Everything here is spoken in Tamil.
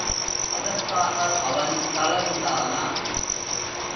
அதற்காக அவன் தளர்ந்தானா?